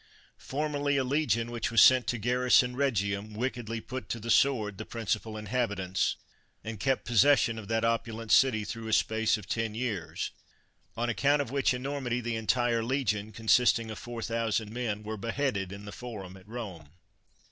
Formerly, a legion which was sent to garrison Bhegium wickedly put to the sword the principal inhabitants, and kept possession of that opulent city through a space of ten years; on account of which enormity the entire legion, consisting of four thousand men, were beheaded in the Porum at Rome.